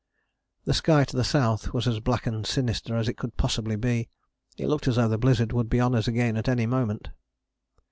The sky to the south was as black and sinister as it could possibly be. It looked as though the blizzard would be on us again at any moment.